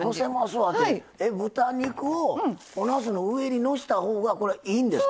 豚肉をおなすの上にのせたほうがいいんですか？